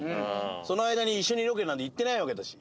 その間に一緒にロケなんて行ってないわけだし。